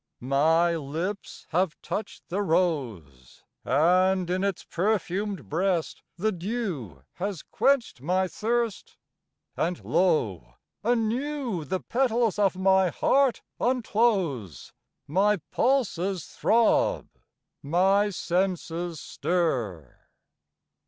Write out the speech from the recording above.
My lips have touched the rose, And in its perfumed breast the dew Has quenched my thirst; and lo! anew The petals of my heart unclose, My pulses throb, my senses stir.